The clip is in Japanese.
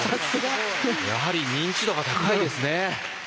やはり認知度が高いですね。